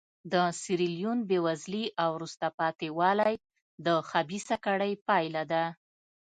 د سیریلیون بېوزلي او وروسته پاتې والی د خبیثه کړۍ پایله ده.